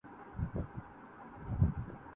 لگاؤ اس کا ہے باعث قیامِ مستی کا